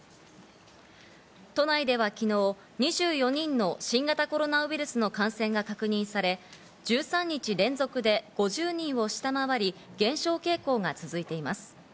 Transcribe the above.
都内では昨日、２４人の新型コロナウイルスの感染が確認され、１３日連続で５０人を下回り、減少傾向が続いています。